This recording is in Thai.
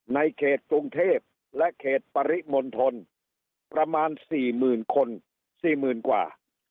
ในเขตกรุงเทพและเขตปริมณฑลประมาณ๔หมื่นคน๔หมื่นกว่า